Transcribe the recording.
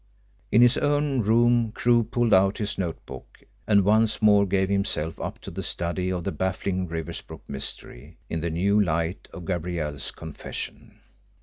In his own room Crewe pulled out his notebook and once more gave himself up to the study of the baffling Riversbrook mystery, in the new light of Gabrielle's confession.